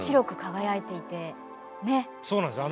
そうなんですよ。